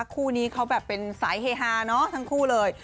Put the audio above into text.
คู่นี้เขาแบบเป็นสายเฮฮาเนาะทั้งคู่เลย